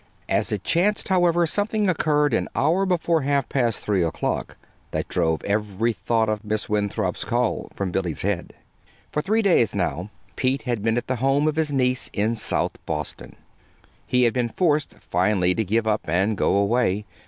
As it chanced, however, something occurred an hour before half past three o'clock that drove every thought of Miss Winthrop's call from Billy's head. For three days, now, Pete had been at the home of his niece in South Boston. He had been forced, finally, to give up and go away.